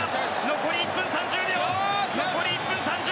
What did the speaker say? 残り１分３０秒。